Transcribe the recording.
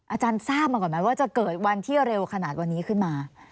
อาจารย์ทราบมาก่อนไหมว่าจะเกิดวันที่เร็วขนาดนี้ขึ้นมา